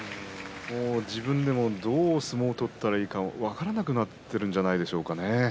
自分でもどう相撲を取っていいのか分からなくなっているんじゃないですかね。